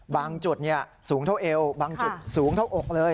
บางจุดสูงเท่าเอวบางจุดสูงเท่าอกเลย